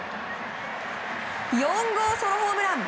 ４号ソロホームラン。